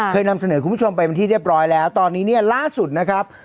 นำเสนอคุณผู้ชมไปเป็นที่เรียบร้อยแล้วตอนนี้เนี่ยล่าสุดนะครับ